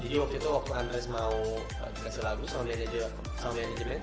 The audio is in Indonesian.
jadi waktu itu waktu andres mau dikasih lagu sama manajemen